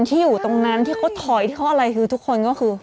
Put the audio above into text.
ที่อยู่ตรงนั้นที่เขาถอยที่เขาอะไรคือทุกคนก็คือ